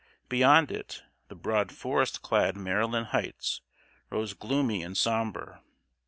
Beyond it, the broad forest clad Maryland Hights rose gloomy and somber.